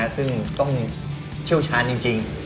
ซึ่งต้องชื้อชาญจริง